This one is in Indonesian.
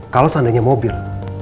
kalau seandainya mobil